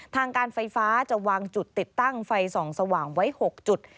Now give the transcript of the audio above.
ทางการไฟฟ้าจะวางจุดติดตั้งไฟส่องสว่างไว้๖จุด